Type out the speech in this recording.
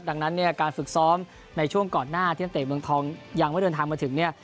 ดังนั้นเนี่ยการฝึกซ้อมในช่วงก่อนหน้าที่นักเตะเมืองทองยังไม่เดินทางมาถึงเนี่ย